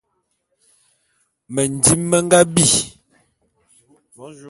Mendim me nga bi.